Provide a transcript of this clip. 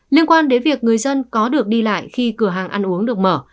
liên quan đến việc người dân có được đi lại khi cửa hàng ăn uống được mở